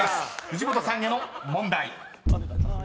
藤本さんへの問題］